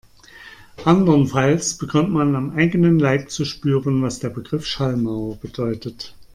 Andernfalls bekommt man am eigenen Leib zu spüren, was der Begriff Schallmauer bedeutet.